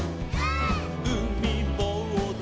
「うみぼうず」「」